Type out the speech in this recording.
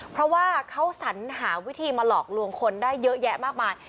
เพราะว่าเขาสัญหาวิธีมาหลอกลวงคนได้เยอะแยะมากมาย